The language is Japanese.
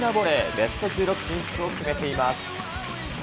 ベスト１６進出を決めています。